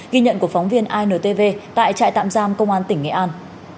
ghi nhận của phóng viên intv tại trại tạm giam công an tỉnh nghệ an